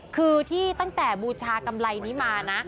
คือที่ตั้งแต่บูชากำไรนี้มานะ